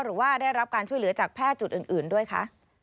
หรือว่าได้รับการช่วยเหลือจากแพทย์จุดอื่นด้วยคะ